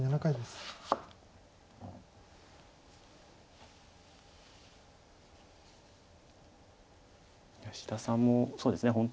いや志田さんもそうですね